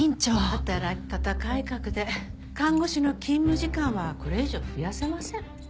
働き方改革で看護師の勤務時間はこれ以上増やせません。